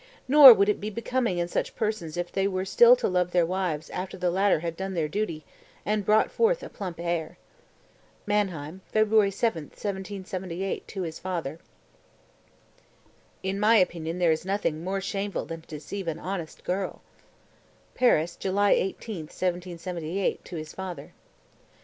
Nor would it be becoming in such persons if they were still to love their wives after the latter had done their duty and brought forth a plump heir." (Mannheim, February 7, 1778, to his father.) 233. "In my opinion there is nothing more shameful than to deceive an honest girl." (Paris, July 18, 1778, to his father.)